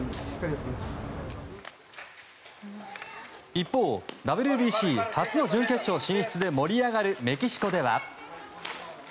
一方、ＷＢＣ初の準決勝進出で盛り上がるメキシコでは。